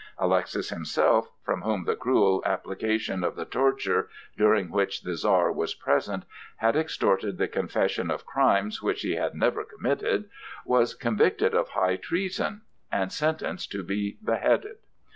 Alexis himself, from whom the cruel application of the torture (during which the Czar was present) had extorted the confession of crimes which he had never committed, was convicted of high treason and sentenced to be beheaded.